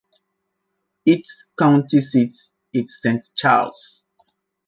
Its county seat is Saint Charles.